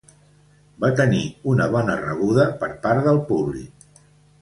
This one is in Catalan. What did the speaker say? Va tenir una bona rebuda per part del públic.